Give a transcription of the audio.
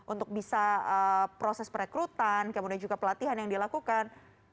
untuk bisa proses perekrutan kemudian juga pelatihan yang dilakukan